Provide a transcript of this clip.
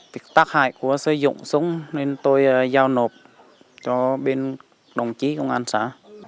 thì tác hại của sử dụng súng nên tôi giao nộp cho bên đồng chí công an xã